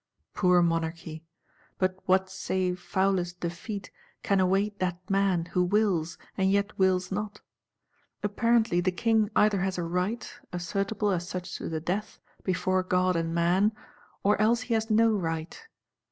Poor Monarchy! But what save foulest defeat can await that man, who wills, and yet wills not? Apparently the King either has a right, assertible as such to the death, before God and man; or else he has no right.